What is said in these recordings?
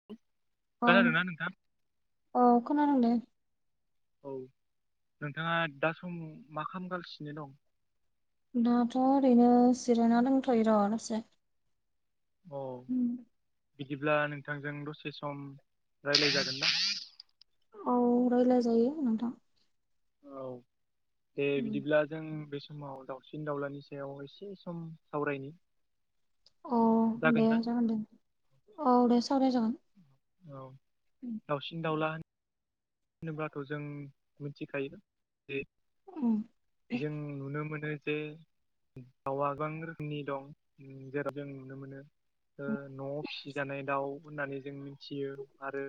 [inaudible] औ नोंथां औ खोनादों दे। औ नोंथाङा दा सम मा खामागालसिनो दं? दाथ' ओरैनो जिरायना दंथ'यो र' दसे अ बिदिब्ला नोंथांजों दसे सम रायलाय जागोन ना? औ रायलाय जायो नोंथां औ दे बिदिब्ला जों बे समाव दाउसिन दाउलानि सायाव एसे सम सावरायनि औ दे जागोन दे औ दे सावराय जागोन। औ उम [inaudible] दावसिन दावउला होनोब्लाथ' जों मिथिखायो जे उम जों नुनो मोनो जे दाउआ गोबां दं उम जेराव जों नुनो मोनो ओ न'आव फिसिजानाय दाउ होननानै जों मिनथियो आरो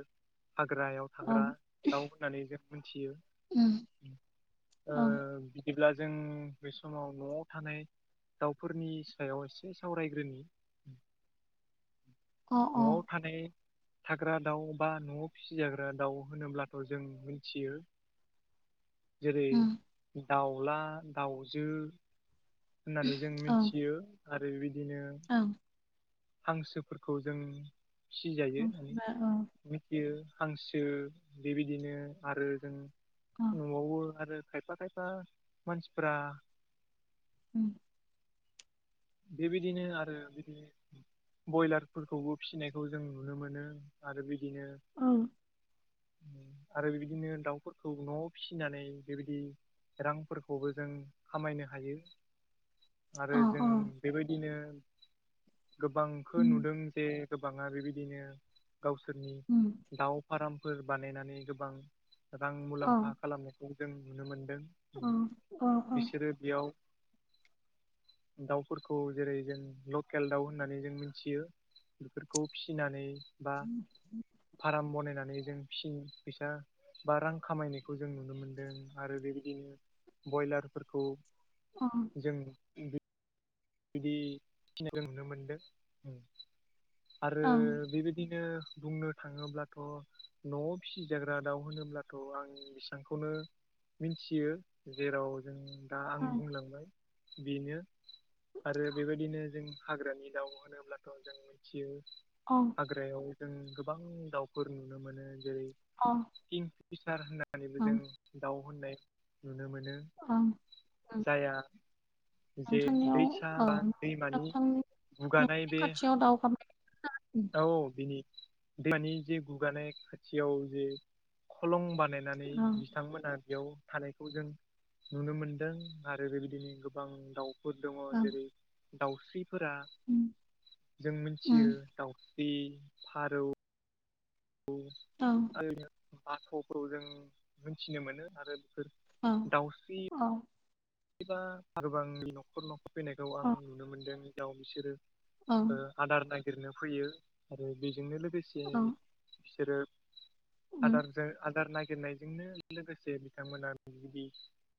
हाग्रायाव औ अ हाग्रा दाउ होननानै जों मोनथियो ओ बिदिब्ला जों बे समाव न'आव थानाय दाउफोरनि सायाव एसे सावरायग्रोनि अ न'आव थानाय हाग्रा दाउ बा न'आव फिसिजाग्रा दाउ होनोब्लाथ' जों मोनथियो। जेरै उम दाउला दाउजो होननानै जों औ मोनथियो आरो बेबायदिनो औ हांसोफोरखौ जों फिजायो माने ओमफ्राय औ मिथियो हांसो बेबायदिनो आरो जों औ न'आवबो आरो खायफा खायफा मानसिफोरा उम बेबायदिनो आरो बिदिनो बयलारफोरखौबो फिनायखौ जों नुनो मोनो आरो बिदिनो औ आरो बिदिनो दाउफोरखौ न'आव फिसिनानै बेबायदि रांफोरखौबो जों खामायनो हायो आरो अ जों अ बेबायदिनो गोबांखौ नुदों जे गोबाङा बेबायदिनो गावसोरनि दाउ फार्मफोर बानायनानै गोबां रां मुलाम्फा खालामनाय खौ जों नुनो मोनदों अ बिसोरो बेयाव दाउ फोरखौ जेरै जों लकेल दाउ होननानै जों मोनथियो बेफोरखौ फिनानै बा फार्म बनायनानै जों फि फैसा बा रां खामायनायखौ जों नुनो मोनदों आरो बेबायदिनो बयलारफोरखौ अ जोंनि बिदि खिनायखौ नुनो मोनदों उम आरो अ बेबायदिनो बुंनो थाङोब्लाथ न'आव फिसिजाग्रा दाउ होनोब्लाथ' आं बेसिबांखौनो मिथियो जेराव जों दा आं अ बुंलांबाय बेनो। आरो बेबायदिनो जों हाग्रानि दाउ होनोब्लाथ' जों मिथियो। अ। हाग्रायाव जों गोबां दाउफोर नुनो मोनो जेरै। अ। किं फिसार होननानैबो जों दाउ होननाय नुनो मोनो। अ ओं ओं जाया जे नोंथांनियाव दै। औ ओ दैमानि नोंथांनि गुगानाय न'नि बे। खाथियाव दावगाबाय औ बिनि दैमानि जे गुगानाय खाथियाव जे। खलं बानायनानै औ बिथांमोनहा। बेयाव थानायखौ जों नुनो मोनदों आरो बेबायदिनो गोबां दाउफोर दङ। औ जेरै दाउस्रिफोरा उम जों मिथियो उम दाउ। जि फारौ। औ। औ। [unintelligible] बाथ'खौ जों मोनथिनो मोनो आरो बेफोर। औ दाउस्रि अ। एबा आरोबांनि न'खर न'खर फैनायखौ आं औ नुनो मोनदों जेराव बिसोरो। औ आदार नागिरनो फैयो आरो बेजोंनो लोगोसे औ बिसोरो। उम आदारजों आदार नागिरनायजोंनो। लोगोसे बिथांमोनाबिदि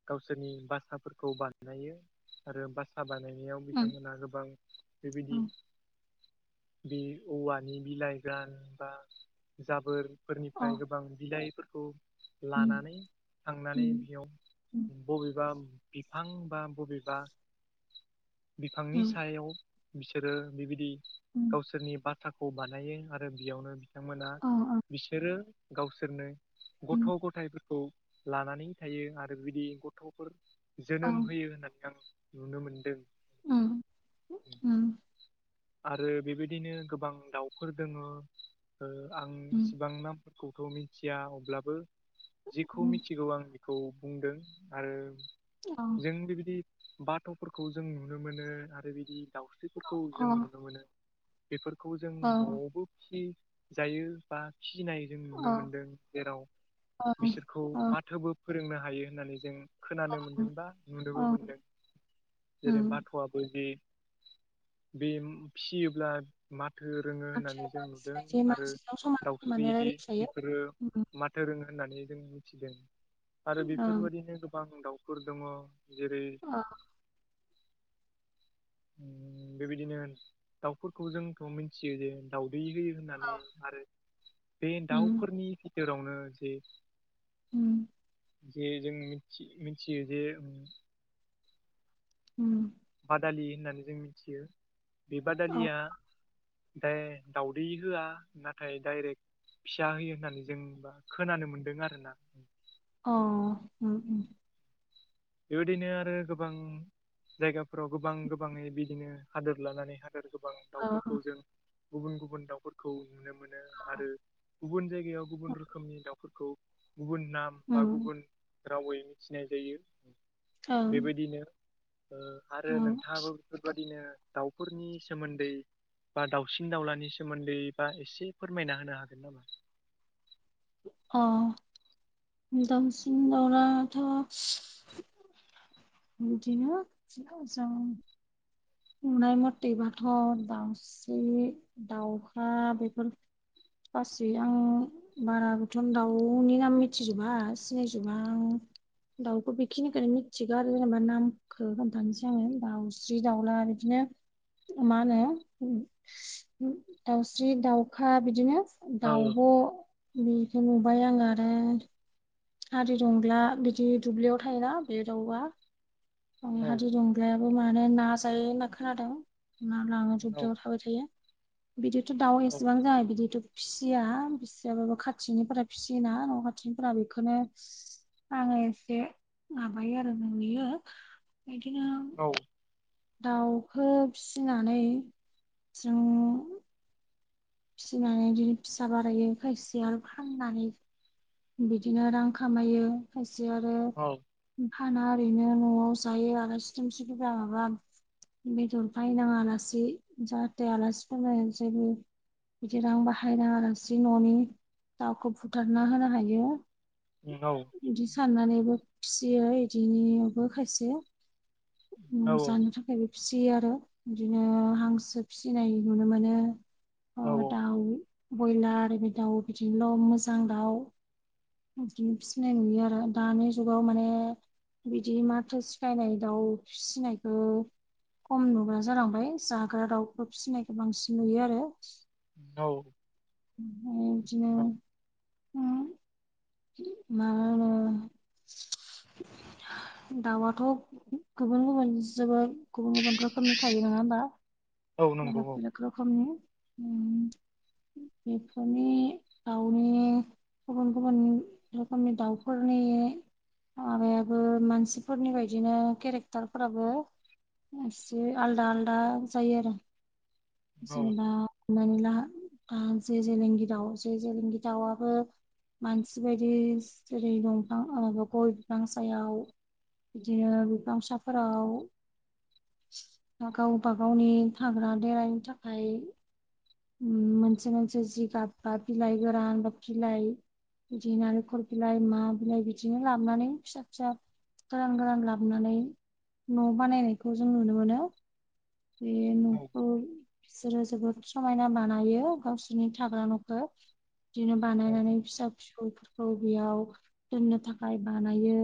गावसोरनि बासा। फोरखौ बानायो आरो बास। बासा बानायनायाव उम बिथांमोनहा गोबां बेबायदि। औ बि औवानि बिलाइ जा बा औ जाबोरफोरनिफ्राय। बा बिलाइफोरखौ उम लानानै थांनानै उम बेयाव उम बबेबा। बिफां बा बबेबा बिफांनि उम सायाव। बिसोरो बेबादि उम गावसोरनि बासाखौ बानायो आरो बेयावनो। बिथांमोना औ औ बिसोरो गावसोरनो गथ' उम गथायाइफोरखौ। लानानै थायो आरो बिदि गथ'फोर औ जोनोम होयो होननानै। नुनो मोनदों। उम उम। आरो बेबायदिनो गोबां दाउफोर दोङो आं ओ उम इसिबांना। फोरखौथ मिथिया अब्लाबो जिखौ उम मिथिगौ आं। औ बुंदो औ औ नों बायदि। बाथ'फोरखौ जों नुनो मोनो आरो बिदि दाउस्रिफोरखौ अ जों नुनो मोनो। बेफोरखौ जों औ न'आवबो फिसि जायो। बा फिनाय जों औ नुनो मोनदों जेराव बिसोरखौ औ माथोबो। फोरोंनो हायो होननानै जों। खोनानो मोनदोंबा नुनोबो औ मोनदों जेरै उम बाथ'आबो जे। बे ओम फियोब्ला। माथो रोङो होननानै बाथ्राया जों मानसि नुदों बायदि आरो मानसिजों समान दाउस्रि होननानै दि रायलायखायो बेफोरो उम मा। थोदोरों होननानै जों मिथिदों आरो ओं बेफोरबायदिनो गोबां दाउ। फोर दङ जेरै। अ। ओम बेबायदिनो दाउफोरखौ जोंथ' मिथियो जे। दाउदै हायो होननानै औ आरो बे उम दाउफोरनि बिथोरावनो जे। उम जे जोंनि मिन्थि मिन्थियो जे उम उम बादालि होननानै जों मिन्थियो बे औ बादालिया दाय दाउदै होआ नाथाय डाइरेक्ट फिसा होयो होननानै जोंबा खोनानो मोनदों आरो ना। अ उम उम बेबायदिनो आरो गोबां जायगाफोराव गोबां गोबांयै बिदिनो हादोर लानानै हादोर गोबां दाउफोरखौ जों गुबुन गुबुन दाउफोरखौ नुनो मोनो आरो गुबुन जायगायाव गुबुन रोखोमनि दाउफोरखौ गुबुन नाम बा गुबुन रावै मिथिनाय जायो बेबायदिनो ओ आरो नोंथाङाबो फोरबादिनो दाउफोरनि सोमोन्दै बा दाउसिन दाउलानि सोमोन्दै बा इसे फोरमायना होनो हागोन नामा? अ दावसिन दावलाथ' बिदिनो [unintelligible] जों नुनाय मथेबाथ' दाउस्रि दावखा बेफोर गासै आं बाराबोथन दाउनि नाम मिथिजोबा सिनायजोबा आं दाउखो बिखिनिखोनो मिथिगो आरो जेनेबा नामखो खोन्थानसै आङो दाउस्रि दाउ ला बिदिनो माहोनो दाउस्रि दाउखा बिदिनो औ दाउब' बेखो नुबाय आं आरो हादिदंग्ला बिदि दुब्लियाव थायोना बे दाउआ अ औ हादिदं ग्लायाबो माने ना जायो होनना खोनादों ना लाङो औ दुब्लियाव थाबाय थायो। बिदिथ' दाउ एसेबां औ जाहा बिदिथ' फिसिया बिसियाबाबो खाथिनिफोरा फिसियोना न' खाथिनिफ्राय बे खोनो आङो एसे माबायो आरो नुयो। इदिनो दाउखो फिनानै जों फिनानै इदिनो फिसा बारायो खायसेया फाननानै बिदिनो रां खामायो खायसे आरो औ फाना ओरैनो न'आव जायो आलासि दुमसि फैबा माबा बेदर बायनाङा लासि जाहाथे आलासिफोरनो जेबो बिदि रां बाहायनाङालासि न'नि दावखौ बुथारना होनो हायो। [unintelligible] इदि साननानैबो फिसियो इदिनिबो खायसे औ उम जानो थाखायबो फिसियो आरो बिदिनो हांसो फिसिनाय नुनो मोनो अ औ दाउ बयलार बाय दाउ बिदिनल' मोजां दाउ इदिनो फिसिनाय नुयो आरो दानि जुगाव माने बिदि माथो सिखायनाय दाउ फिसिनायखो खम नुग्रा जालांबाय जाग्रा दाउखो फिसिनायखो बांसिन नुयो आरो। नौ उम दिनाव [unintelligible] दाउआथ' गुबुन गुबुन जोबोद गुबुन गुबुन रोखोमनि थायो नोङा होनबा? औ नंगौ बेलेक औ बेलेक रोखोमनि उम बेफोरनि आउनि गुबुन गुबुन रोखोमनि दाउफोरनि माबायाबो मानसिफोरनि बायदिनो केरेक्टारफोराबो एसे आलदा आलदा जायो आरो। औ जेनेबा हमनानै ला आ जे जेलेंगि दाव जे जेलेंगि दाउयाबो मानसि बायदि जेरै दंफां माबा गय बिफां सायाव बिदिनो बिफां साफोराव गाव बागावनि थाग्रा देरानि थाखाय मोनसे मोनसे जि गाब बा बिलाइ गोरान बा बिलाइ बिदि नारेंखर बिलाइ मा बिलाइ बिदिनो लाबोनानै फिसा फिसा गोरान गोरान लाबोनानै न' बानायनायखौ जों नुनो मोनो। औ [unintelligible] समायना बानायो गावसोरनि थाग्रा न'खो बिदिनो औ बानायनानै फिसा फिसौफोरखौ बेयाव दोननो थाखाय बानायो।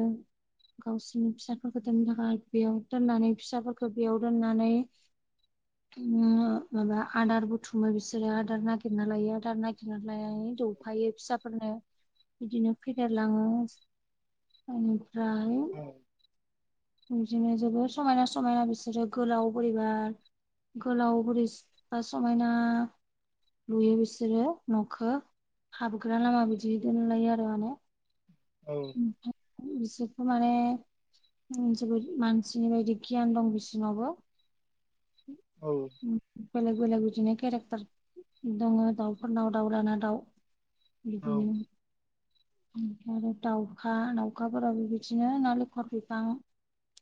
गावसोरनि फिसाफोरखौ दोननो थाखाय बेयाव दोननानै फिसाफोरखौ बेयाव दोननानै माबा आदार बो थुमो बिसोरो आदार नागिरना लायो आदार नागिरना लाय दौफायो फिसाफोरनो बिदिनो फेदेरलाङो ओनिफ्राय औ बिदिनो जोबोर समायना समायना बिसोरो गोलाव बोरैबा गोलाव बुरेस बा समायना लुयो बिसोरो न'खौ हाबग्रा लामा बिदि दोनलायो आरो माने औ बिसोरखौ माने उम जोबोद मानसिनि बायदि गियान दं बिसिनावबो औ बेलेग बेलेग बिदिनो केरेक्टार दङ दाउफोरनाव दाउ लाना दाउ बिदिनो औ ओमफाय आरो दाउखा दाउखाफोरावबो बिदिनो ना लेंखर बिफां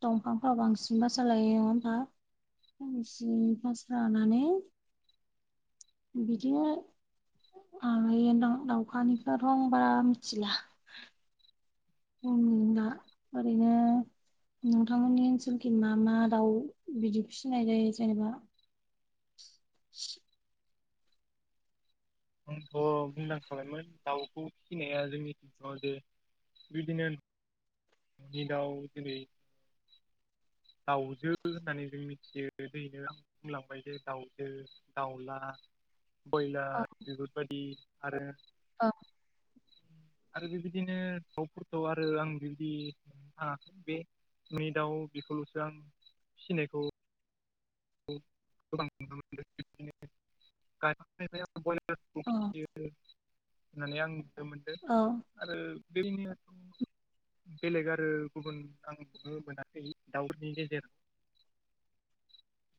दंफांफ्राव बांसिन बासा लायो नङा बा? फारमासि पास लानानै बिदिनो [unintelligible] दाउखानिखौ रंबा मिथिला दा [inaudible] ओरैनो नोंथांमोननि ओनसोलखै मा मा दाउ बिदि फिसिनाय जायो जेनेबा [inaudible] आंथ' बुंदांखांखाबायमोन दाउखौ फिसिनाया जोंनि सिगङाव जे बिदिनो नि दाउ जेरै दाउजो होननानै जों मिथियो दैनो आं बुंलांबाय जे दाउजो दाउला औ बयलार बेफोरबायदि आरो आरो बेबायदिनो दावफोरखौ आरो आं बिबायदि ओ बे मै दाव बेखौल'सो आं फिसिनायखौ ओ गोबां नुनो मोनदों बिदिनो गायनाय निफ्राय औ फियो होननानै आं मिथिनो मोनदो औ आरो बेनिया बेलेग आरो गुबुन आं नुनो मोनाखै दाउनि गेजेर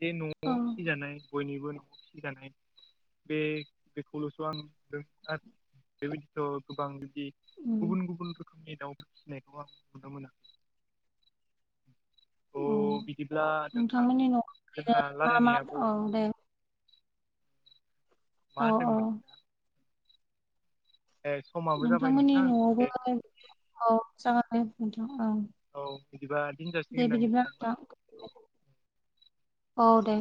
बे न'आव औ फिसिजानाय बयनिबो न'आव फिसिजानाय बे बेखौल'सो आं नुदों आरो बेबायदिथ' गोबां बे उम गुबुन गुबुन रोखोमनि दाउ फिसिनायखौ आं नुनो मोना अ ओ बिदिब्ला नोंथां नोंथांमोननि न'आव जोंहा ओरैनो मा मा रायलायनायाबो औ दे औ मा औ होनदोंमोन? नोंथां? ए समाबो जाबाय नोंथांमोननि नोंथां न'आवबो दे औ जागोन दे नोंथां औ औ बिदिबा दे दिनजासिगोनदांं बिदिब्ला नोंथां ओ? औ दे